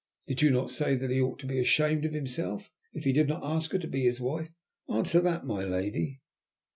Did you not say that he ought to be ashamed of himself if he did not ask her to be his wife? Answer that, my lady."